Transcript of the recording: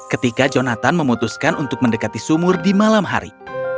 ketika jonathan memutuskan untuk mendekati sumur di malam hari